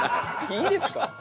いいですか？